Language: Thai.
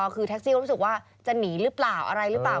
คือแท็กซี่ก็รู้สึกว่าจะหนีหรือเปล่าอะไรหรือเปล่า